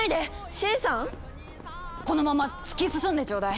シエリさん⁉このまま突き進んでちょうだい！